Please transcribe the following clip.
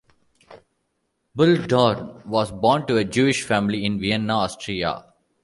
Bluhdorn was born to a Jewish family in Vienna, Austria.